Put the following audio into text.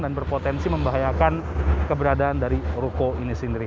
dan berpotensi membahayakan keberadaan dari ruko ini sendiri